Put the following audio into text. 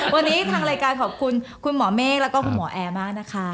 วันนี้ทางรายการขอบคุณคุณหมอเมฆแล้วก็คุณหมอแอร์มากนะคะ